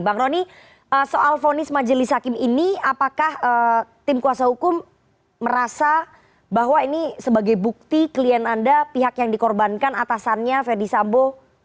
bang roni soal vonis majelis hakim ini apakah tim kuasa hukum merasa bahwa ini sebagai bukti klien anda pihak yang dikorbankan atasannya ferdisambo